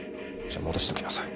じゃ戻してきなさい。